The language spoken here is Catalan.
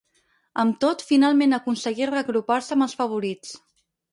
Amb tot, finalment aconseguí reagrupar-se amb els favorits.